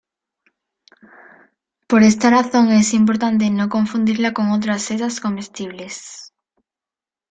Por esta razón es importante no confundirla con otras setas comestibles.